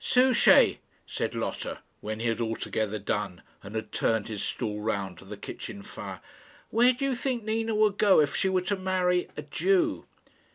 "Souchey," said Lotta, when he had altogether done, and had turned his stool round to the kitchen fire, "where do you think Nina would go if she were to marry a Jew?"